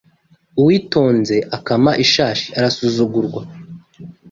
Uwitonze akama ishashi arasuzugurwa